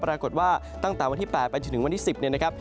ปรากฏว่าตั้งแต่วันที่๘ไปจนถึงวันที่๑๐เนี่ยนะครับ